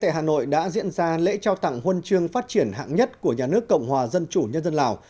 hà nội đã diễn ra lễ trao tặng huân chương phát triển hạng nhất của nhà nước cộng hòa dân chủ nhân dân lào